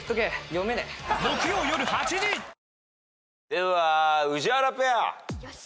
では宇治原ペア。